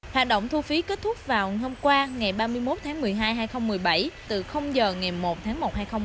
hoạt động thu phí kết thúc vào hôm qua ngày ba mươi một tháng một mươi hai hai nghìn một mươi bảy từ giờ ngày một tháng một hai nghìn hai mươi